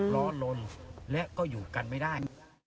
ล้อลนและก็อยู่กันไม่ได้